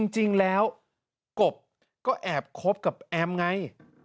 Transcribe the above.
จริงแล้วกบก็แอบคบกับแอมไง